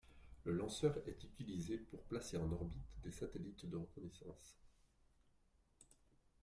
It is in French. Le lanceur est utilisé pour placer en orbite des satellites de reconnaissance.